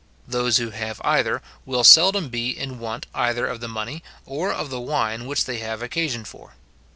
Those who have either, will seldom be in want either of the money, or of the wine which they have occasion for.